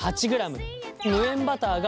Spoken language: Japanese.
無塩バターが６ｇ。